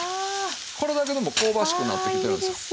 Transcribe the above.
これだけでも香ばしくなってきてるんですよ。